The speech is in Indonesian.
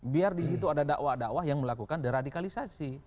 biar di situ ada dakwah dakwah yang melakukan deradikalisasi